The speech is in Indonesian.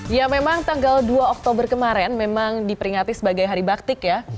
ya memang tanggal dua oktober kemarin memang diperingati sebagai hari baktik ya